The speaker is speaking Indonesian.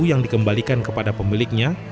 yang dikembalikan kepada pemiliknya